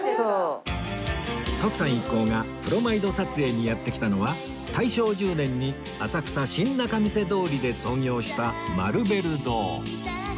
徳さん一行がプロマイド撮影にやって来たのは大正１０年に浅草新仲見世通りで創業したマルベル堂